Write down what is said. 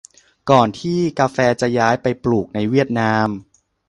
ก่อนที่กาแฟจะย้ายไปปลูกในเวียดนาม